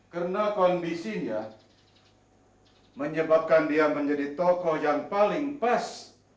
karena kondisinya menyebabkan dia menjadi tokoh yang paling pas